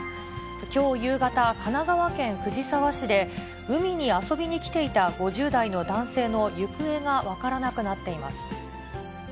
きょう夕方、神奈川県藤沢市で、海に遊びに来ていた５０代の男性の行方が分からなくなっています。